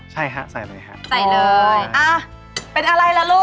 ใช่ค่ะใส่เลยค่ะอ้าเป็นอะไรนะลูก